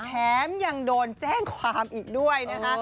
แถมยังโดนแจ้งความอีกด้วยนะคะ